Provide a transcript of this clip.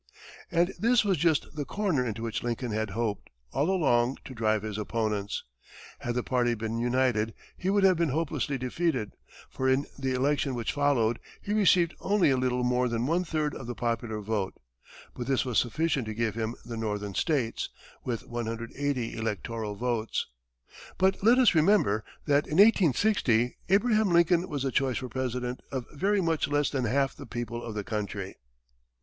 And this was just the corner into which Lincoln had hoped, all along, to drive his opponents. Had the party been united, he would have been hopelessly defeated, for in the election which followed, he received only a little more than one third of the popular vote; but this was sufficient to give him the northern states, with 180 electoral votes. But let us remember that, in 1860, Abraham Lincoln was the choice for President of very much less than half the people of the country.